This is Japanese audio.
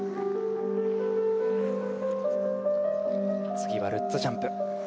次はルッツジャンプ。